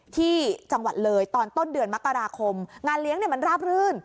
ที่จังหวัดเลยตอนต้นเดือนมกราคมงานเลี้ยงมันราบรื่น